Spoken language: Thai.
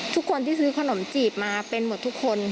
ทุกคนที่ซื้อขนมจีบมาเป็นหมดทุกคน